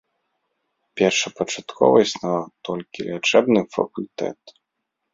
Першапачаткова існаваў толькі лячэбны факультэт.